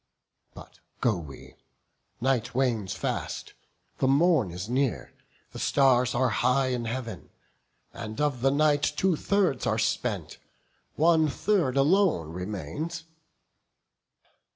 But go we; night wanes fast, the morn is near: The stars are high in Heav'n; and of the night Two thirds are spent, one third alone remains."